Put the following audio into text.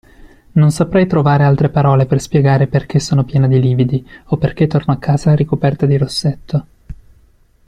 Non saprei trovare altre parole per spiegare perché sono piena di lividi, o perché torno a casa ricoperta di rossetto.